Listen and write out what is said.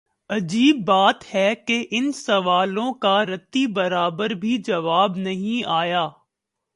عجیب بات ہے کہ ان سوالوں کا رتی برابر بھی جواب نہیںآیا۔